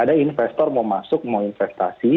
ada investor mau masuk mau investasi